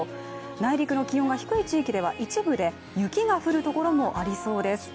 内陸の気温が低い地域では一部で雪が降るところもありそうです。